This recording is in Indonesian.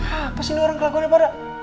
hah apa sih ini orang kelakunya pada